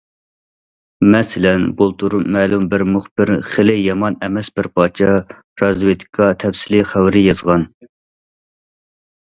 مەسىلەن، بۇلتۇر مەلۇم بىر مۇخبىر خېلى يامان ئەمەس بىر پارچە رازۋېدكا تەپسىلىي خەۋىرى يازغان.